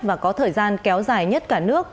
và có thời gian kéo dài nhất cả nước